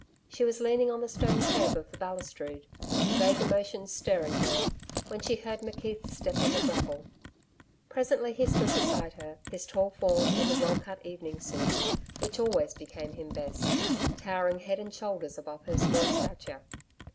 She was leaning on the stone kerb of the balustrade, vague emotions stirring her, when she heard McKeith's step on the gravel. Presently he stood beside her, his tall form, in the well cut evening suit which always became him best, towering head and shoulders above her small stature.